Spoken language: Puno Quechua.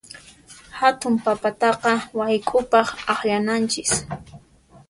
Hatun papataqa wayk'upaq akllananchis.